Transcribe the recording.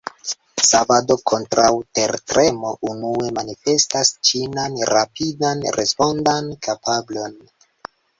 Savado kontraŭ tertremo unue manifestas ĉinan rapidan respondan kapablon.